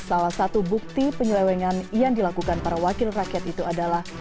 salah satu bukti penyelewengan yang dilakukan para wakil rakyat itu adalah